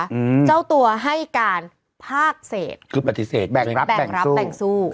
ต้องเจ้าตัวให้การภากเศสก็คือปฏิเสษแบ่งรับแบ่งแสู้